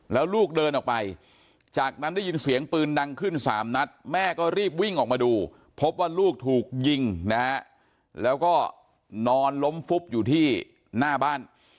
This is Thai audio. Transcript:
แล้วลูกเดินออกไปจากนั้นได้ยินเสียงปืนดังขึ้น๓นัดแม่ก็รีบวิ่งออกมาดูพบว่าลูกถูกยิงนะฮะแล้วก็นอนล้มฟุบอยู่ที่หน้าบ้าน